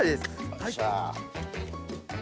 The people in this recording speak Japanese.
よっしゃ。